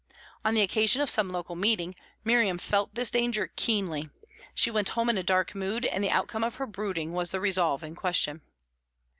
On the occasion of some local meeting, Miriam felt this danger keenly; she went home in dark mood, and the outcome of her brooding was the resolve in question.